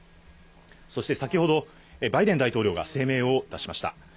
そして先ほど、バイデン大統領が声明を出しました。